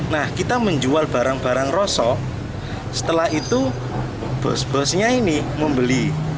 nah kita menjual barang barang rosok setelah itu bos bosnya ini membeli